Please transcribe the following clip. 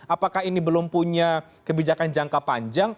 apakah ini belum punya kebijakan jangka panjang